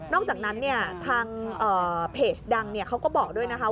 อกจากนั้นเนี่ยทางเพจดังเขาก็บอกด้วยนะคะ